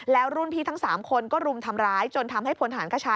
แล้วรุ่นพี่ทั้ง๓คนก็รุมทำร้ายจนทำให้พลฐานคชา